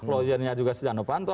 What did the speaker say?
lawyernya juga setiano panto